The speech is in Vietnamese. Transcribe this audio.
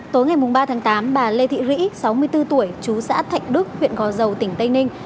tối ngày ba tháng tám bà lê thị rẫy sáu mươi bốn tuổi chú xã thạnh đức huyện gò dầu tỉnh tây ninh